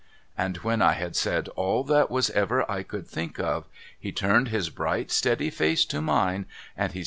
^ And when I had said all that ever I could think of, he turned his bright steady face to mine and he